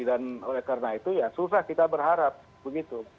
dan oleh karena itu ya susah kita berharap begitu